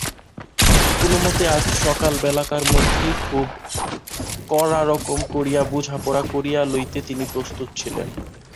কোনোমতে আজ সকালবেলাকার মধ্যেই খুব কড়া রকম করিয়া বোঝাপড়া করিয়া লইতে তিনি প্রস্তুত ছিলেন।